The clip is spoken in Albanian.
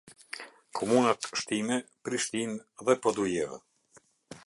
Komunat Shtime, Prishtinë, dhe Podujevë.